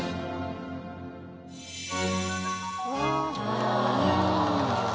うわ。